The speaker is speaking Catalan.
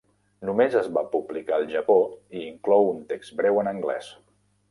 Només es va publicar al Japó i inclou un text breu en anglès.